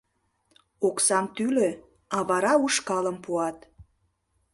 Оксам тӱлӧ, а вара ушкалым пуат...